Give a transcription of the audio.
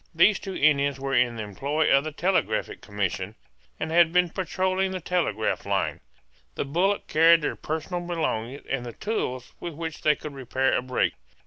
These two Indians were in the employ of the Telegraphic Commission, and had been patrolling the telegraph line. The bullock carried their personal belongings and the tools with which they could repair a break.